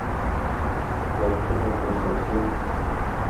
Σηκώθηκε με προσοχή